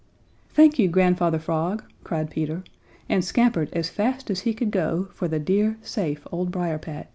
"Thank you, Grandfather Frog!" cried Peter and scampered as fast as he could go for the dear, safe Old Briar patch.